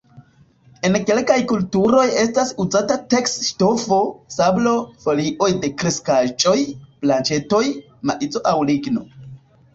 En kelkaj kulturoj estas uzata teks-ŝtofo, sablo, folioj de kreskaĵoj, branĉetoj, maizo aŭ ligno.